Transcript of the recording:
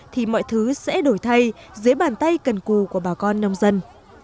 thì mọi thứ sẽ đổi thay dưới bàn tay cần cù của bà con nông dân